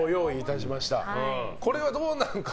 これはどうなるか。